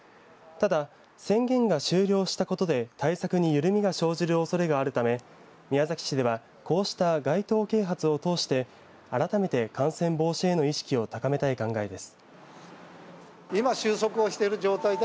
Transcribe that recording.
ただ、宣言が終了したことで対策に緩みが生ずるおそれがあるため宮崎市ではこうした街頭啓発を通して改めて感染防止への意識を高めたい考えです。